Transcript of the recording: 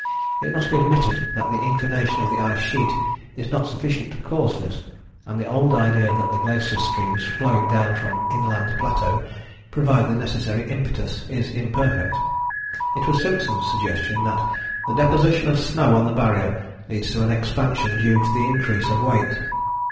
It must be admitted that the inclination of the ice sheet is not sufficient to cause this, and the old idea that the glacier streams flowing down from Inland Plateau provide the necessary impetus is imperfect. It was Simpson's suggestion that "the deposition of snow on the Barrier leads to an expansion due to the increase of weight."